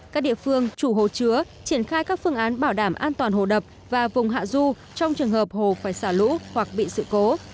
các địa phương chủ hồ chứa triển khai các phương án bảo đảm an toàn hồ đập và vùng hạ du trong trường hợp hồ phải xả lũ hoặc bị sự cố